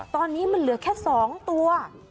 ตอนนี้มันเหลือแค่๒ตัว